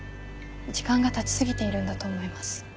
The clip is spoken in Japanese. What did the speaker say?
時間が経ち過ぎているんだと思います。